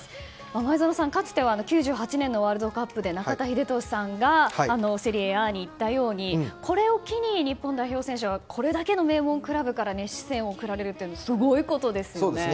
前園さん、かつては９８年のワールドカップで中田英寿さんがセリエＡに行ったようにこれを機に、日本代表選手がこれだけの名門クラブから熱視線を送られるのはすごいことですよね。